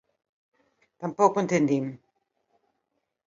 Tampouco entendín.